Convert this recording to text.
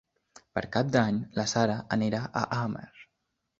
Per Cap d'Any na Sara anirà a Amer.